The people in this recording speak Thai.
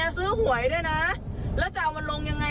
เนี่ยซื้อหวยด้วยเราจะเอามันลงยังไง